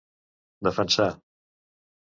Defensar